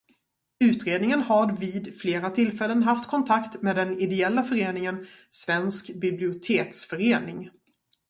Utredningen har vid flera tillfällen haft kontakt med den ideella föreningen Svensk biblioteksförening.